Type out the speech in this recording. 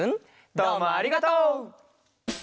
どうもありがとう！